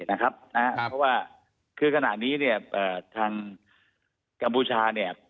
เพราะว่าขณะนี้ทางกัมพุชาเนี่ย